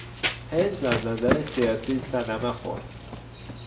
حزب از نظر سیاسی صدمه خورد.